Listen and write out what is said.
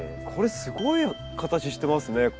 これすごい形してますね。